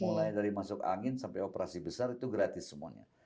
mulai dari masuk angin sampai operasi besar itu gratis semuanya